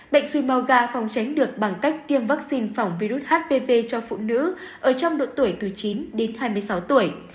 bệnh suy màu gà phòng tránh được bằng cách tiêm vaccine phòng virus hpv cho phụ nữ ở trong độ tuổi từ chín đến hai mươi sáu tuổi